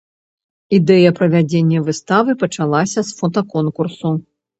Ідэя правядзення выставы пачалася з фотаконкурсу.